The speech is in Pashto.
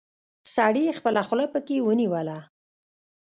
سړي خپله خوله پکې ونيوله.